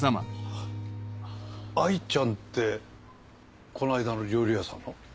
藍ちゃんってこの間の料理屋さんの？